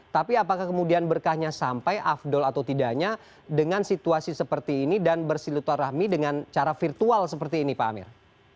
tapi apakah kemudian berkahnya sampai afdol atau tidaknya dengan situasi seperti ini dan bersilaturahmi dengan cara virtual seperti ini pak amir